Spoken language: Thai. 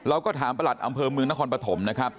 เราก็ถามประหลัดอำเภอเมืองนครปฐมนะครับ